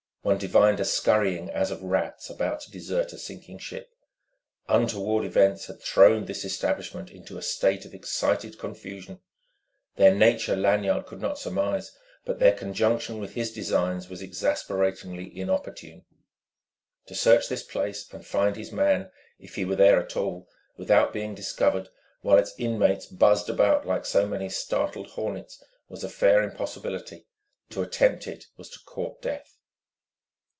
One divined a scurrying as of rats about to desert a sinking ship. Untoward events had thrown this establishment into a state of excited confusion: their nature Lanyard could not surmise, but their conjunction with his designs was exasperatingly inopportune. To search this place and find his man if he were there at all without being discovered, while its inmates buzzed about like so many startled hornets, was a fair impossibility; to attempt it was to court death.